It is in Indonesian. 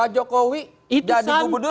pak jokowi dan ibu mudur